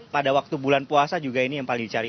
pada waktu bulan puasa juga ini yang paling dicari